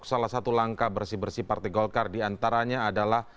salah satu langkah bersih bersih partai golkar diantaranya adalah